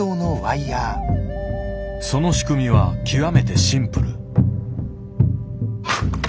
その仕組みは極めてシンプル。